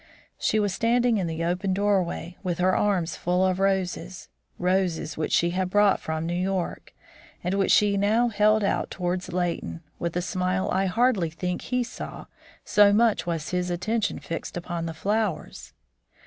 She was standing in the open doorway with her arms full of roses roses which she had brought from New York, and which she now held out towards Leighton, with a smile I hardly think he saw, so much was his attention fixed upon the flowers.